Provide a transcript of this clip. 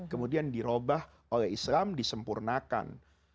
kemudian dirobah oleh islam disempurnakan